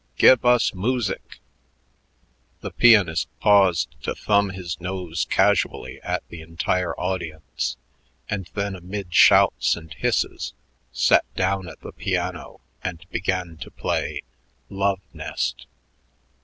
"Give us moosick!" The pianist paused to thumb his nose casually at the entire audience, and then amid shouts and hisses sat down at the piano and began to play "Love Nest."